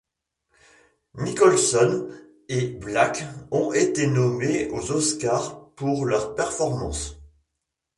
Nicholson et Black ont été nommés aux Oscars pour leur performance.